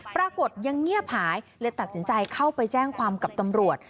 ปรากฏยังเงียบหายเลยตัดสินใจเข้าไปแจ้งความกับตำรวจ